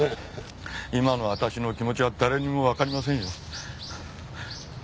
今の私の気持ちは誰にもわかりませんよ。